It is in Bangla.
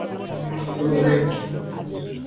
আমি এই দানবকে মেরে ফেলব।